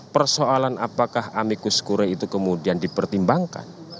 persoalan apakah amikus kure itu kemudian dipertimbangkan